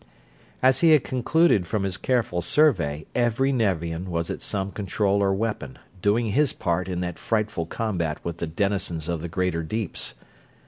As he had concluded from his careful survey, every Nevian was at some control or weapon, doing his part in that frightful combat with the denizens of the greater deeps.